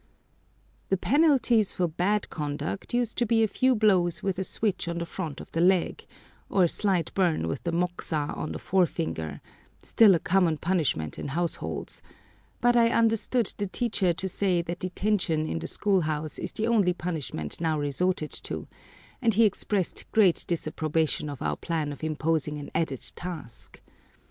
The penalties for bad conduct used to be a few blows with a switch on the front of the leg, or a slight burn with the moxa on the forefinger—still a common punishment in households; but I understood the teacher to say that detention in the school house is the only punishment now resorted to, and he expressed great disapprobation of our plan of imposing an added task.